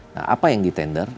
nah apa yang di tender